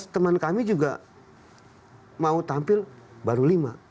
tujuh belas teman kami juga mau tampil baru lima